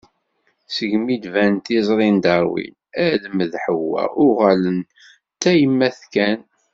Segmi d-tban tiẓri n Darwin, Adem d Ḥewwa uɣalen d tamayt kan.